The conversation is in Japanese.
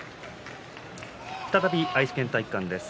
再び、愛知県体育館です。